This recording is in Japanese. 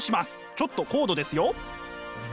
ちょっと高度ですよ！